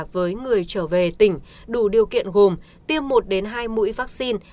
với người trở về tỉnh đủ điều kiện gồm tiêm một hai mũi vaccine